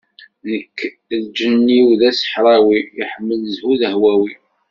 Nekk lǧenn-iw d aṣeḥrawi, iḥemmel zzhu, d ahwawi.